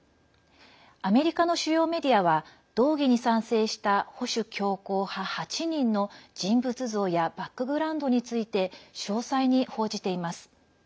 アメリカの主要メディアは動議に賛成した保守強硬派８人の人物像やバックグラウンドについて詳細に報じています。